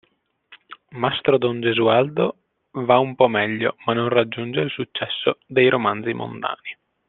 Mastro don Gesualdo va un po' meglio ma non raggiunge il successo dei romanzi mondani.